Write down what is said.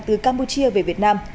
từ campuchia về việt nam